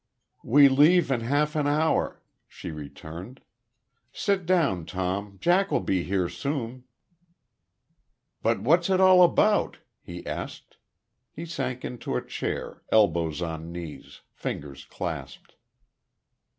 "We leave in half an hour," she returned. "Sit down, Tom.... Jack will be here soon." "But what's it all about?" he asked. He sank into a chair, elbows on knees, fingers clasped.